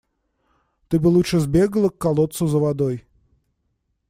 Ты бы лучше сбегала к колодцу за водой.